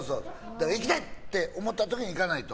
行きたいって思った時に行かないと。